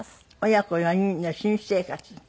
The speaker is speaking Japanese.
親子４人の新生活。